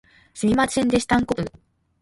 すみませんでしたんこぶ